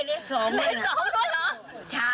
เล็กสองด้วยนะ